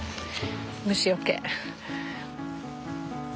虫よけ。